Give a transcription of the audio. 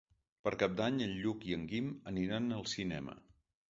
Per Cap d'Any en Lluc i en Guim aniran al cinema.